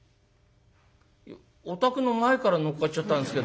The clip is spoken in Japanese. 「お宅の前から乗っかっちゃったんですけども」。